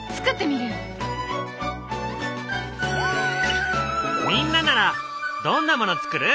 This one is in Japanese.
みんなならどんなものつくる？